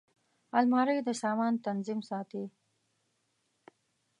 الماري د سامان تنظیم ساتي